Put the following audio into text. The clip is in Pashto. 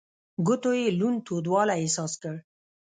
ګوتو يې لوند تودوالی احساس کړ.